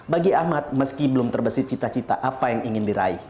bagi ahmad meski belum terbesit cita cita apa yang ingin diraih